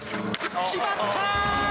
決まったー！